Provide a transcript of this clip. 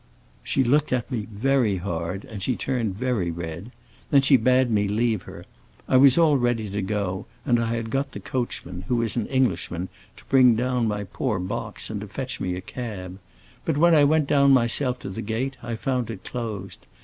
"She looked at me very hard, and she turned very red. Then she bade me leave her. I was all ready to go, and I had got the coachman, who is an Englishman, to bring down my poor box and to fetch me a cab. But when I went down myself to the gate I found it closed.